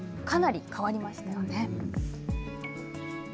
かなり変わりましたよね。